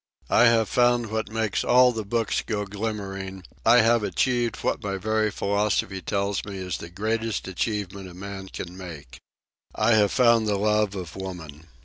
I have found what makes all the books go glimmering; I have achieved what my very philosophy tells me is the greatest achievement a man can make. I have found the love of woman.